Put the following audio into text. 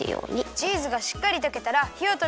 チーズがしっかりとけたらひをとめるよ。